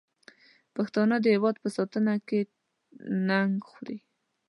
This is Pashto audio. پښتانه د هېواد په ساتنه کې ننګ خوري.